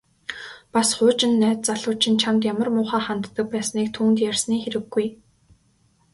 Бас хуучин найз залуу чинь чамд ямар муухай ханддаг байсныг түүнд ярьсны хэрэггүй.